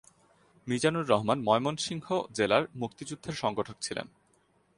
মিজানুর রহমান ময়মনসিংহ জেলার মুক্তিযুদ্ধের সংগঠক ছিলেন।